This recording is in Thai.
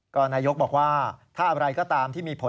ก็นายกบอกว่าถ้าอะไรก็ตามที่มีผล